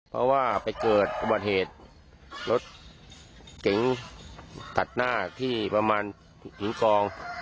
เพราะว่าไปเกิดอุบัติเหตุรถเก๋งตัดหน้าที่ประมาณถึงกอง